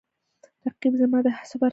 رقیب زما د هڅو برخه ده